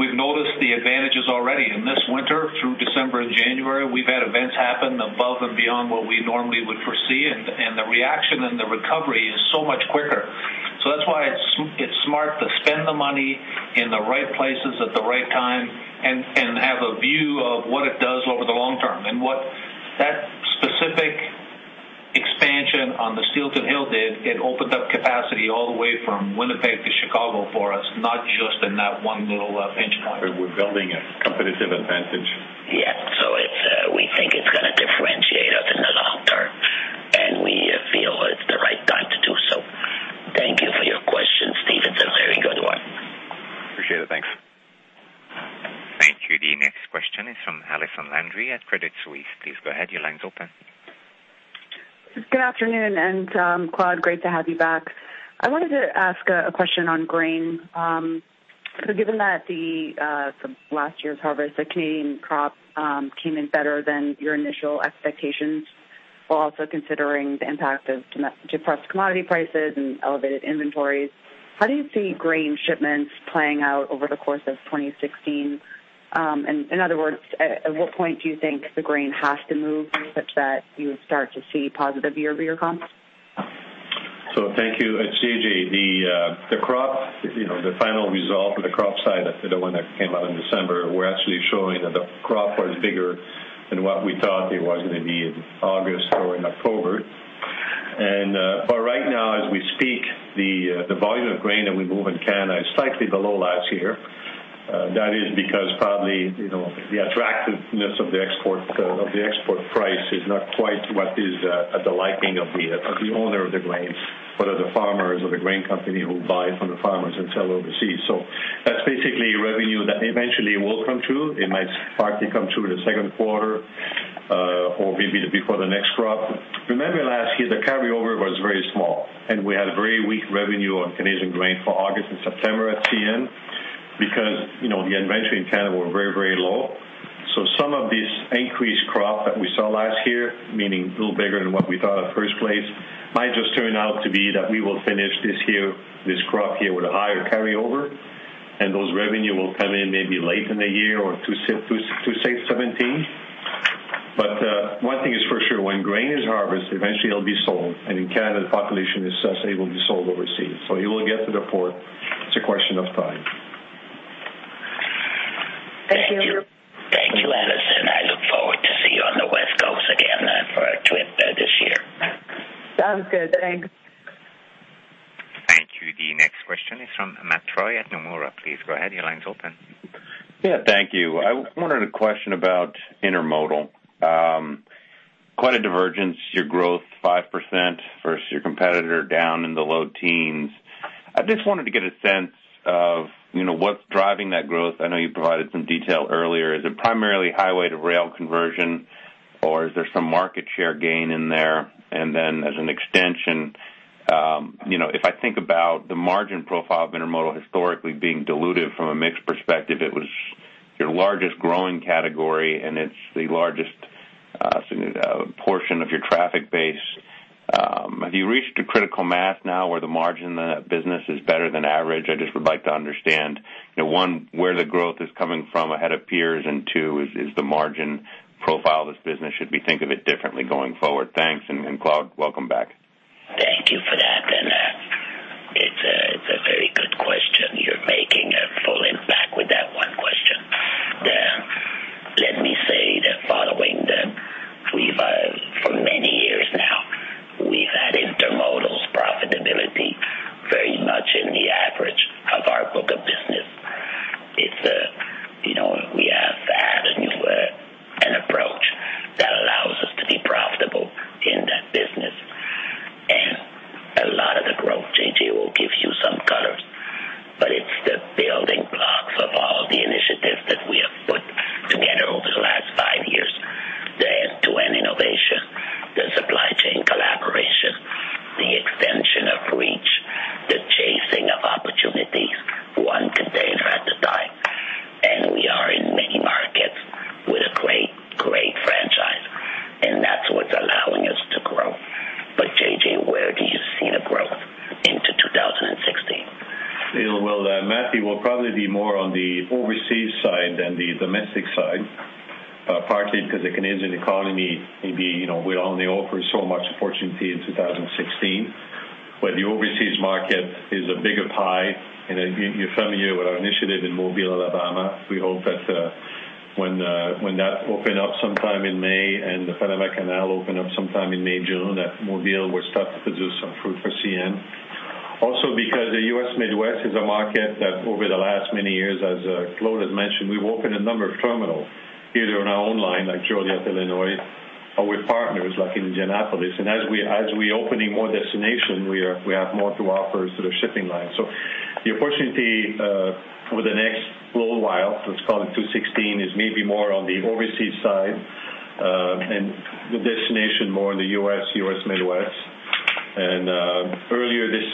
we've noticed the advantages already. In this winter, through December and January, we've had events happen above and beyond what we normally would foresee, and, and the reaction and the recovery is so much quicker. So that's why it's, it's smart to spend the money in the right places at the right time and, and have a view of what it does over the long term. And what that specific expansion on the Steelton Hill did, it opened up capacity all the way from Winnipeg to Chicago for us, not just in that one little, pinch point. We're building a competitive advantage. Yeah. So it's, we think it's gonna differentiate us in the long term, and we feel it's the right time to do so. Thank you for your question, Steven. It's a very good one. Appreciate it. Thanks. Thank you. The next question is from Allison Landry at Credit Suisse. Please go ahead. Your line's open. Good afternoon, and Claude, great to have you back. I wanted to ask a question on grain. So given that last year's harvest, the Canadian crop, came in better than your initial expectations, while also considering the impact of depressed commodity prices and elevated inventories, how do you see grain shipments playing out over the course of 2016? And in other words, at what point do you think the grain has to move such that you would start to see positive year-over-year comps? So thank you. It's JJ. The crop, you know, the final result of the crop side, the one that came out in December, we're actually showing that the crop was bigger than what we thought it was going to be in August or in October. And but right now, as we speak, the volume of grain that we move in Canada is slightly below last year. That is because probably, you know, the attractiveness of the export of the export price is not quite what is at the liking of the owner of the grains, whether the farmers or the grain company who buy from the farmers and sell overseas. So that's basically revenue that eventually will come through. It might partly come through in the second quarter or maybe before the next crop. Remember, last year, the carryover was very small, and we had very weak revenue on Canadian grain for August and September at CN, because, you know, the inventory in Canada were very, very low. So some of this increased crop that we saw last year, meaning a little bigger than what we thought in the first place, might just turn out to be that we will finish this year, this crop year, with a higher carryover, and those revenue will come in maybe late in the year or to 2016-2017. But one thing is for sure, when grain is harvested, eventually it'll be sold, and in Canada, the population is such that it will be sold overseas. So you will get to the port. It's a question of time. Thank you. Thank you, Allison. I look forward to see you on the West Coast again, for a trip, this year. Sounds good. Thanks. Thank you. The next question is from Matt Troy at Nomura. Please go ahead. Your line's open. Yeah, thank you. I wanted a question about intermodal. Quite a divergence, your growth, 5% versus your competitor down in the low teens. I just wanted to get a sense of, you know, what's driving that growth. I know you provided some detail earlier. Is it primarily highway to rail conversion, or is there some market share gain in there? And then, as an extension, you know, if I think about the margin profile of intermodal historically being diluted from a mix perspective, it was your largest growing category, and it's the largest portion of your traffic base. Have you reached a critical mass now where the margin in the business is better than average? I just would like to understand, you know, one, where the growth is coming from ahead of peers, and two, is the margin profile of this business, should we think of it differently going forward? Thanks, and Claude, welcome back. Then, it's a very good question. You're making a full impact with that one question. Let me say that for many years now, we've had intermodal's profitability very much in the average of our book of business. It's, you know, we have added a new approach that allows us to be profitable in that business. And a lot of the growth, JJ will give you some colors, but it's the building blocks of all the initiatives that we have put together over the last five years. The end-to-end innovation, the supply chain collaboration, the extension of reach, the chasing of opportunities, one container at a time. And we are in many markets with a great, great franchise, and that's what's allowing us to grow. But JJ, where do you see the growth into 2016? Well, well, Matthew, will probably be more on the overseas side than the domestic side. Partly because the Canadian economy may be, you know, will only offer so much opportunity in 2016. But the overseas market is a bigger pie, and then you're familiar with our initiative in Mobile, Alabama. We hope that when that open up sometime in May, and the Panama Canal open up sometime in May, June, that Mobile will start to produce some fruit for CN. Also because the U.S. Midwest is a market that over the last many years, as Claude has mentioned, we've opened a number of terminals, either on our own line, like Joliet, Illinois, or with partners like Indianapolis. And as we opening more destination, we have more to offer to the shipping line. So the opportunity, over the next little while, let's call it 2016, is maybe more on the overseas side, and the destination more in the U.S., U.S. Midwest. Earlier this,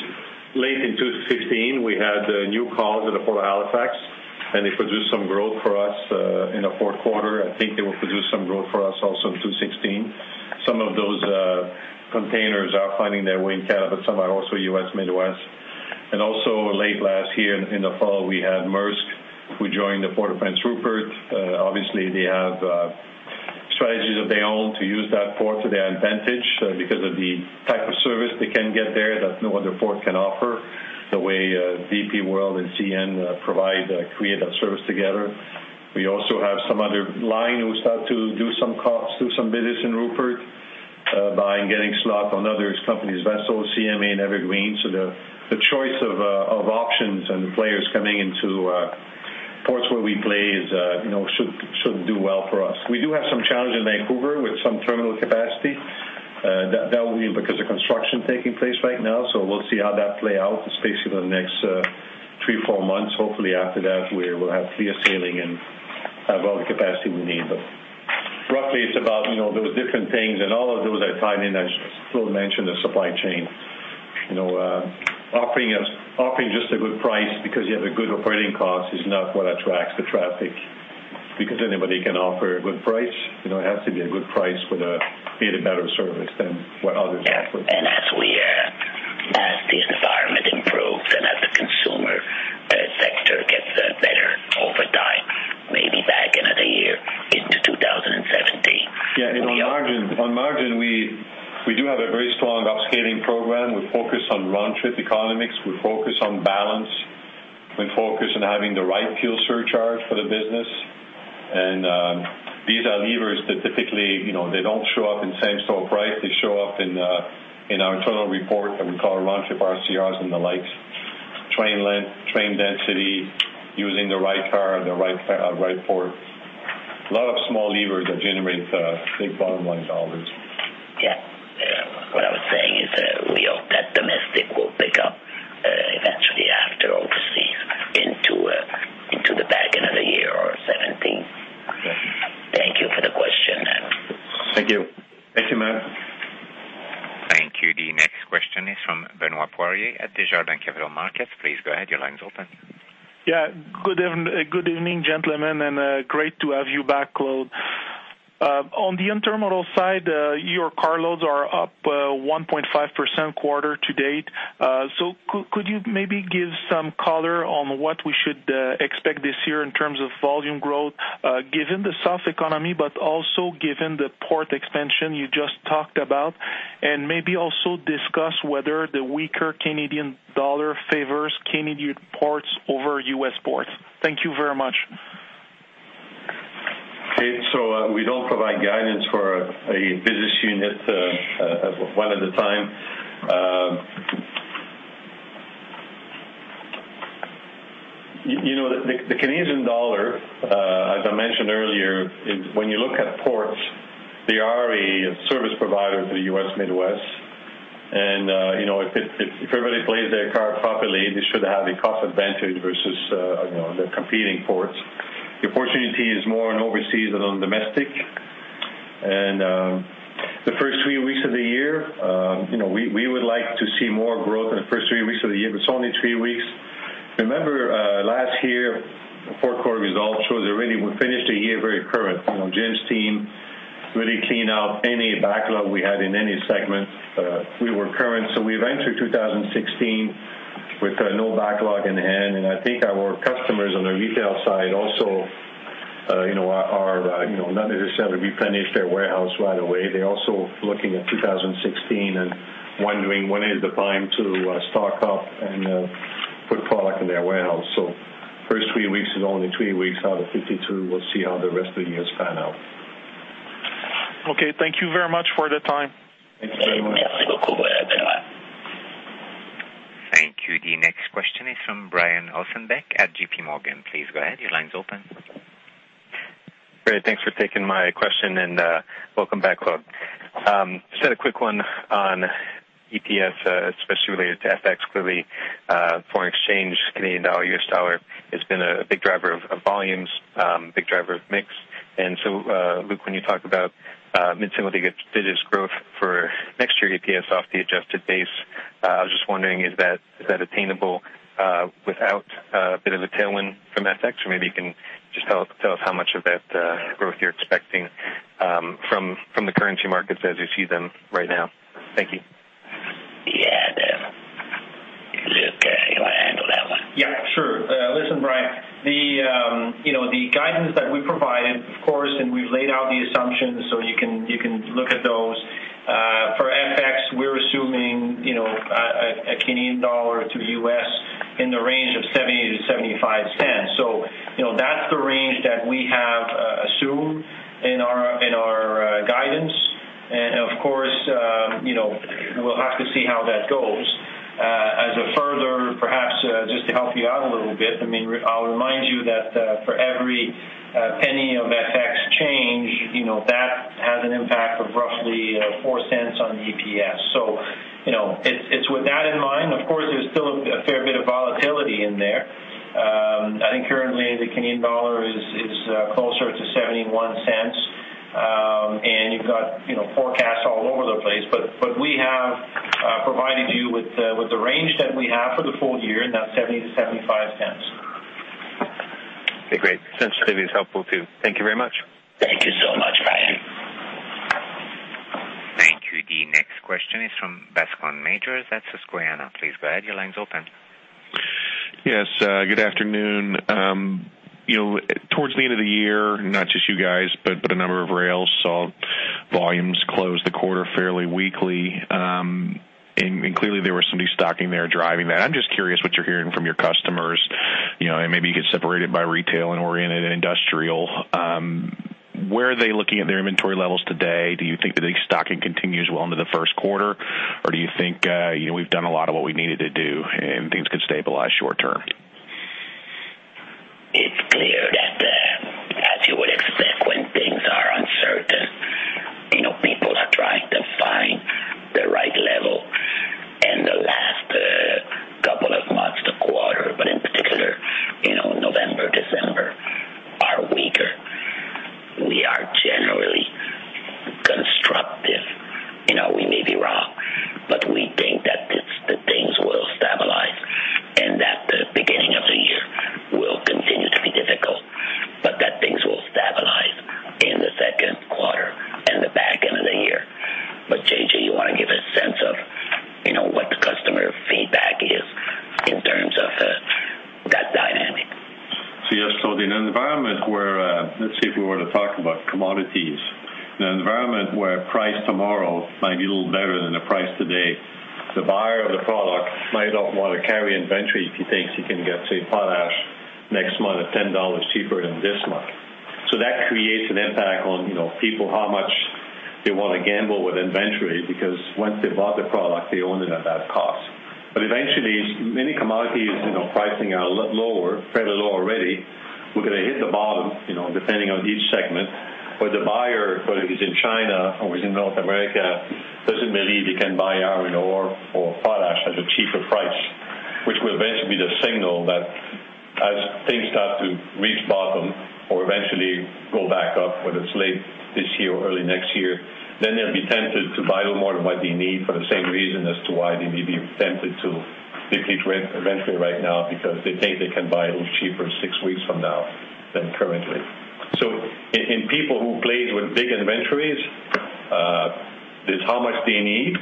late in 2016, we had a new call to the Port of Halifax, and they produced some growth for us in the fourth quarter. I think they will produce some growth for us also in 2016. Some of those containers are finding their way in Canada, but some are also U.S. Midwest. And also late last year in the fall, we had Maersk, who joined the Port of Prince Rupert. Obviously, they have strategies of their own to use that port to their advantage, because of the type of service they can get there that no other port can offer, the way DP World and CN provide create that service together. We also have some other line who start to do some costs do some business in Rupert by getting slot on others companies vessels, CMA and Evergreen. So the choice of options and the players coming into ports where we play is, you know, should do well for us. We do have some challenges in Vancouver with some terminal capacity. That will be because of construction taking place right now, so we'll see how that play out, especially in the next three, four months. Hopefully after that, we will have clear sailing and have all the capacity we need. But roughly, it's about, you know, those different things, and all of those are tied in, as Claude mentioned, the supply chain. You know, offering just a good price because you have a good operating cost is not what attracts the traffic, because anybody can offer a good price. You know, it has to be a good price with a, be a better service than what others offer. Yeah, and as the environment improves and as the consumer sector gets better over time, maybe back another year into 2017. Yeah, on margin, on margin, we do have a very strong upscaling program. We focus on round trip economics. We focus on balance. We focus on having the right fuel surcharge for the business. And these are levers that typically, you know, they don't show up in same store price. They show up in our internal report that we call our round trip RCRs and the likes. Train length, train density, using the right car and the right port. A lot of small levers that generate big bottom line dollars. Yeah. What I was saying is that we hope that domestic will pick up, eventually after overseas into, into the back another year or 2017. Yes. Thank you for the question, then. Thank you. Thank you, Matt. Thank you. The next question is from Benoit Poirier at Desjardins Capital Markets. Please go ahead. Your line's open. Yeah. Good evening, gentlemen, and great to have you back, Claude. On the intermodal side, your car loads are up 1.5% quarter to date. So could you maybe give some color on what we should expect this year in terms of volume growth, given the soft economy, but also given the port expansion you just talked about? And maybe also discuss whether the weaker Canadian dollar favors Canadian ports over U.S. ports. Thank you very much. Okay, so, we don't provide guidance for a business unit, one at a time. You know, the Canadian dollar, as I mentioned earlier, is when you look at ports, they are a service provider to the U.S. Midwest. And, you know, if everybody plays their card properly, they should have a cost advantage versus, you know, the competing ports. The opportunity is more on overseas than on domestic. And, the first three weeks of the year, you know, we would like to see more growth in the first three weeks of the year, but it's only three weeks. Remember, last year, the fourth quarter results shows already we finished the year very current. You know, Jim's team really clean out any backlog we had in any segment. We were current, so we entered 2016 with no backlog in hand, and I think our customers on the retail side also you know are you know not necessarily replenish their warehouse right away. They're also looking at 2016 and wondering when is the time to stock up and put product in their warehouse. So first three weeks is only three weeks out of 52. We'll see how the rest of the years pan out. Okay, thank you very much for the time. Thank you very much. Thank you. The next question is from Brian Ossenbeck at J.P. Morgan. Please go ahead. Your line's open. Great, thanks for taking my question, and, welcome back, folks. Just had a quick one on EPS, especially related to FX. Clearly, foreign exchange, Canadian dollar, U.S. dollar, has been a big driver of volumes, big driver of mix. And so, Luc, when you talk about mid-single digits growth for next year, EPS off the adjusted base, I was just wondering, is that attainable without a bit of a tailwind from FX? Or maybe you can just tell us how much of that growth you're expecting from the currency markets as you see them right now. Thank you. Yeah, Dan. Luke, you wanna handle that one? Yeah, sure. Listen, Brian, you know, the guidance that we provided, of course, and we've laid out the assumptions so you can look at those. For FX, we're assuming, you know, a Canadian dollar to US in the range of $0.70-$0.75. So, you know, that's the range that we have assumed in our guidance. And of course, you know, we'll have to see how that goes. As a further, perhaps, just to help you out a little bit, I mean, I'll remind you that for every $0.01 of FX change, you know, that has an impact of roughly $0.04 on EPS. So, you know, it's with that in mind. Of course, there's still a fair bit of volatility in there. I think currently the Canadian dollar is closer to $0.71. You've got, you know, forecasts all over the place. We have provided you with the range that we have for the full year, and that's $0.70-$0.75. Okay, great. Sensitivity is helpful, too. Thank you very much. Thank you so much, Brian. Thank you. Thank you. The next question is from Bascome Majors at Susquehanna. Please, go ahead. Your line's open. Yes, good afternoon. You know, towards the end of the year, not just you guys, but a number of rails saw volumes close the quarter fairly weakly. And clearly there was some de-stocking there driving that. I'm just curious what you're hearing from your customers, you know, and maybe you could separate it by retail and intermodal and industrial. Where are they looking at their inventory levels today? Do you think the de-stocking continues well into the first quarter, or do you think, you know, we've done a lot of what we needed to do, and things could stabilize short term? It's clear that, as you would expect, which will eventually be the signal that as things start to reach bottom or eventually go back up, whether it's late this year or early next year, then they'll be tempted to buy a little more than what they need for the same reason as to why they may be tempted to deplete their inventory right now, because they think they can buy a little cheaper six weeks from now than currently. So in people who played with big inventories, it's how much they need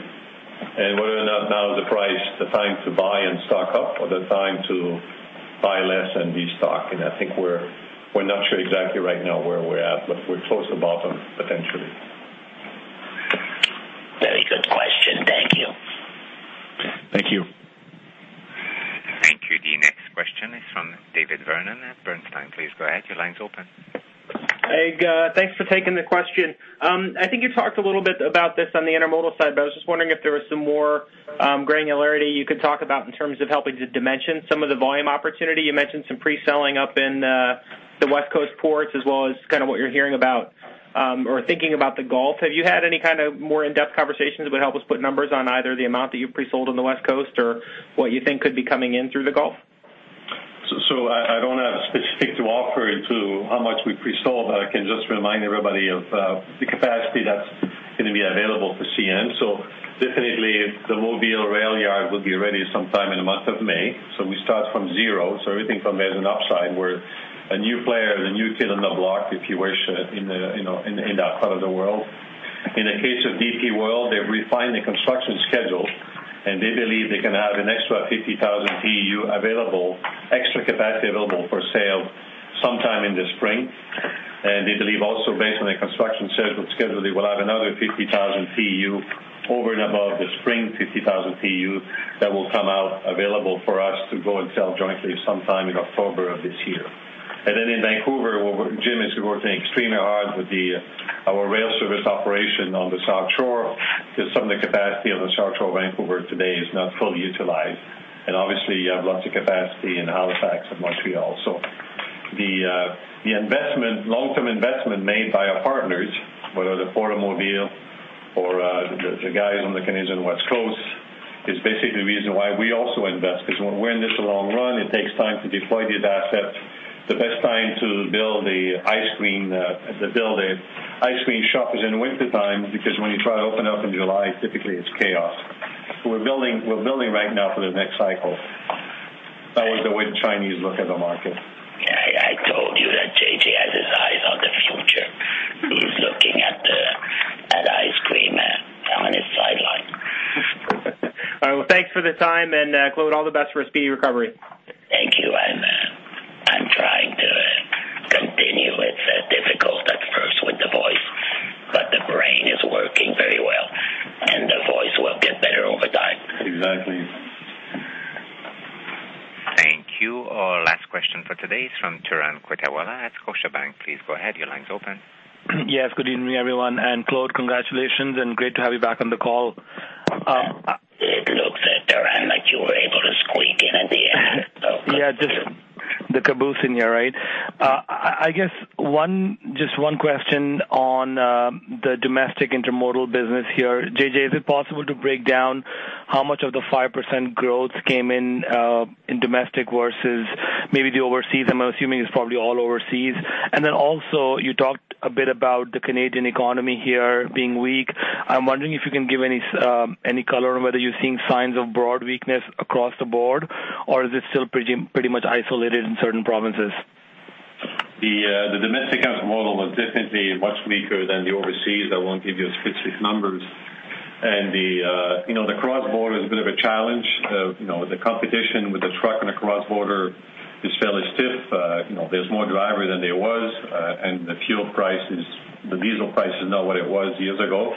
and whether or not now is the price, the time to buy and stock up, or the time to buy less and de-stock. I think we're not sure exactly right now where we're at, but we're close to bottom, potentially. Very good question. Thank you. Thank you. Thank you. The next question is from David Vernon at Bernstein. Please go ahead. Your line's open. Hey, thanks for taking the question. I think you talked a little bit about this on the intermodal side, but I was just wondering if there was some more granularity you could talk about in terms of helping to dimension some of the volume opportunity. You mentioned some pre-selling up in the West Coast ports, as well as kind of what you're hearing about or thinking about the Gulf. Have you had any kind of more in-depth conversations that would help us put numbers on either the amount that you've pre-sold on the West Coast or what you think could be coming in through the Gulf? So I don't have specifics to offer on how much we pre-sold, but I can just remind everybody of the capacity that's gonna be available for CN. So definitely the Mobile rail yard will be ready sometime in the month of May. So we start from zero. So everything from there is an upside. We're a new player, the new kid on the block, if you wish, you know, in that part of the world. In the case of DP World, they've refined the construction schedule and they believe they can add an extra 50,000 TEU available, extra capacity available for sale sometime in the spring. They believe also, based on the construction schedule, they will have another 50,000 TEU over and above the spring 50,000 TEU that will come out available for us to go and sell jointly sometime in October of this year. Then in Vancouver, where Jim is working extremely hard with our rail service operation on the South Shore, because some of the capacity on the South Shore of Vancouver today is not fully utilized. Obviously, you have lots of capacity in Halifax and Montreal. The investment, long-term investment made by our partners, whether the Port of Mobile or the guys on the Canadian West Coast, is basically the reason why we also invest. Because when we're in this long run, it takes time to deploy the assets. The best time to build the ice cream, to build a ice cream shop is in the wintertime, because when you try to open up in July, typically it's chaos. We're building, we're building right now for the next cycle. That is the way the Chinese look at the market. Yeah, I told you that JJ has his eyes on the future. He's looking at the ice cream down on his sideline. All right. Well, thanks for the time, and, Claude, all the best for a speedy recovery. Thank you. I'm trying to continue. It's difficult at first with the voice, but the brain is working very well, and the voice will get better over time. Exactly. Thank you. Our last question for today is from Turan Quettawala at Scotiabank. Please go ahead. Your line's open. Yes, good evening, everyone, and Claude, congratulations and great to have you back on the call. It looks, Turan, like you were able to squeak in at the end, so. Yeah, just the caboose in here, right? I guess one, just one question on the domestic intermodal business here. JJ, is it possible to break down how much of the 5% growth came in domestic versus maybe the overseas? I'm assuming it's probably all overseas. And then also, you talked a bit about the Canadian economy here being weak. I'm wondering if you can give any color on whether you're seeing signs of broad weakness across the board, or is it still pretty much isolated in certain provinces? The domestic intermodal was definitely much weaker than the overseas. I won't give you specific numbers. And you know, the cross-border is a bit of a challenge. You know, the competition with the truck and the cross-border is fairly stiff. You know, there's more driver than there was, and the fuel price is, the diesel price is not what it was years ago.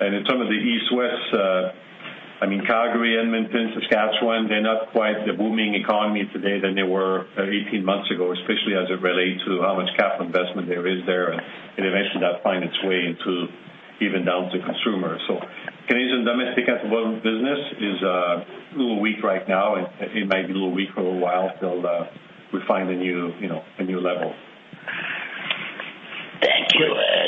And in some of the East-West, I mean, Calgary, Edmonton, Saskatchewan, they're not quite the booming economy today than they were 18 months ago, especially as it relates to how much capital investment there is there, and eventually, that find its way into even down to consumer. So Canadian domestic intermodal business is a little weak right now, and it might be a little weak for a little while until we find a new, you know, a new level. Thank you,